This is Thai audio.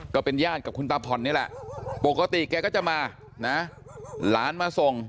ก็เป็นญาติกับคุณตาผ่อนนี่แหละปกติแกก็จะมานะหลานมาส่ง